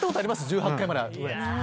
１８階まで上。